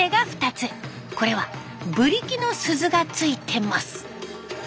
これはブリキの鈴がついてます。